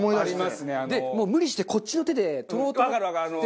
もう無理してこっちの手で取ろうと思って。